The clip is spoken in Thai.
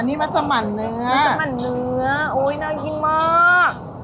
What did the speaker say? อันนี้มะสมันเนื้อมะสมันเนื้อโอ้ยน่ากินมาก